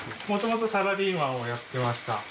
元々サラリーマンをやってました。